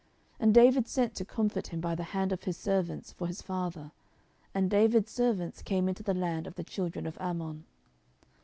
And David sent to comfort him by the hand of his servants for his father. And David's servants came into the land of the children of Ammon.